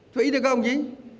thuỷ thế không chí